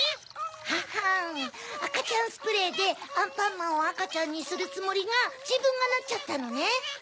ははんあかちゃんスプレーでアンパンマンをあかちゃんにするつもりがじぶんがなっちゃったのね。